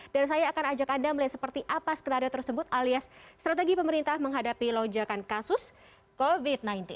dan saya akan ajak anda melihat seperti apa skenario tersebut alias strategi pemerintah menghadapi lonjakan kasus covid sembilan belas